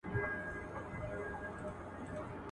نن زندان پر ماتېدو دی.